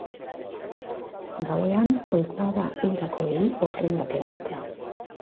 Gauean, ohikoa da hildakoei ofrendak eramatea.